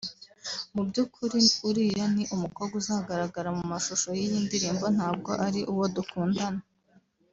mu by’ukuri uriya ni umukobwa uzagaragara mu mashusho y’iyi ndirimbo ntabwo ari uwo dukundana